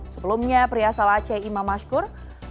sebelumnya pria salah aceh imam mansur